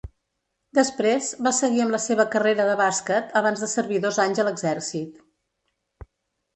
Després, va seguir amb la seva carrera de bàsquet abans de servir dos anys a l'exèrcit.